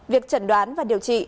việc chẩn đoán và điều trị